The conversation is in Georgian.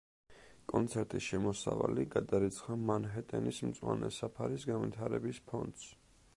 კონცერტის შემოსავალი გადაირიცხა მანჰეტენის მწვანე საფარის განვითარების ფონდს.